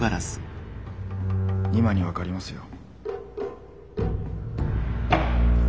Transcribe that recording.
今に分かりますよ。